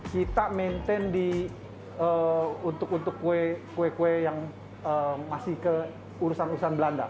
kita maintain untuk kue kue yang masih ke urusan urusan belanda